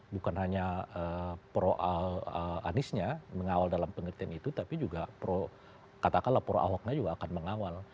bukan hanya pro aniesnya mengawal dalam pengertian itu tapi juga pro katakanlah pro ahoknya juga akan mengawal